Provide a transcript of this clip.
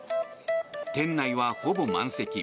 店内はほぼ満席。